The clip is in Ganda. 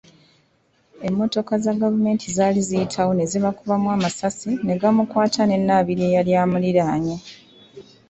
Emmotoka za gavumenti zaali ziyitawo ne zibakubamu amasasi ne gamukwata ne Nnabirye eyali amuliraanye.